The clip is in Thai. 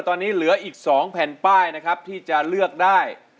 ตอนนี้เหลืออีก๒แผ่นป้ายนะครับที่จะเลือกได้